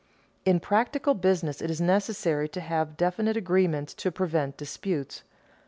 _ In practical business it is necessary to have definite agreements to prevent disputes.